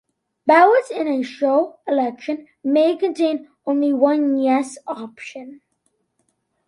Ballots in a show election may contain only one "yes" option.